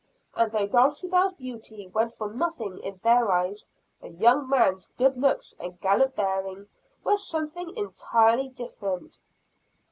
And though Dulcibel's beauty went for nothing in their eyes, a young man's good looks and gallant bearing were something entirely different.